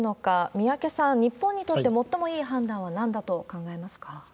宮家さん、日本にとって最もいい判断はなんだと考えますか？